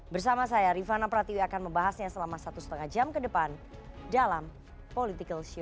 bersama saya rifana pratiwi akan membahasnya selama satu lima jam ke depan dalam political show